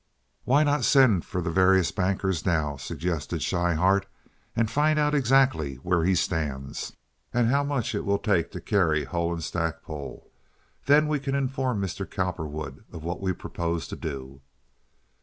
"Why not send for the various bankers now," suggested Schryhart, "and find out exactly where he stands, and how much it will take to carry Hull & Stackpole? Then we can inform Mr. Cowperwood of what we propose to do."